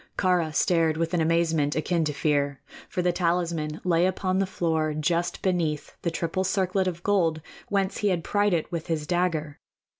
Kāra stared with an amazement akin to fear; for the talisman lay upon the floor just beneath the triple circlet of gold whence he had pried it with his dagger.